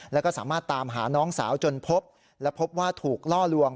แล้วก็สามารถตามหาน้องสาวจนพบและพบว่าถูกล่อลวง